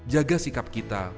jaga sikap kita